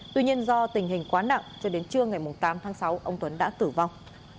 tuy nhiên do tình hình quá nặng cho đến trưa ngày tám tháng sáu ông tuấn đã tử vong